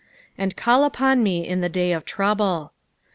"And call vpon me in the day oftrmUle."